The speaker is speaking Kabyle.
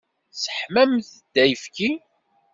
Tesseḥmamt-d ayefki?